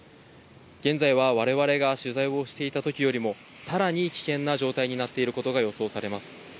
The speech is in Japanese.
現在は我々が取材をしていたときよりもさらに危険な状態になっていることが予想されます。